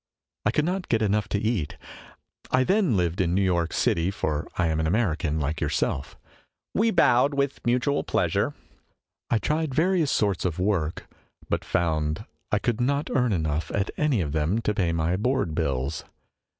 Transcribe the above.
I could not get enough to eat. I then lived in New York City, for I am an American, like yourself." We bowed with mutual pleasure. " I tried various sorts of work, but found I could not earn enough at any of them to pay my board bills.